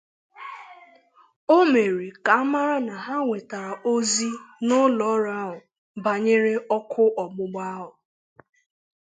O mere ka a mara na ha nwètàrà ozi n'ụlọọrụ ahụ banyere ọkụ ọgbụgba ahụ